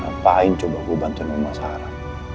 ngapain coba gua bantuin rumah sarah